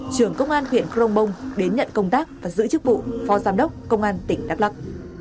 trưởng công an huyện krongbong đến nhận công tác và giữ chức vụ pho giám đốc công an tỉnh đắk lắk